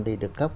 để được cấp